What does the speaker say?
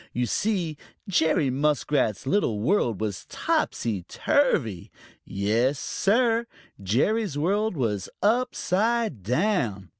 You see, Jerry Muskrat's little world was topsy turvy. Yes, Sir, Jerry's world was upside down!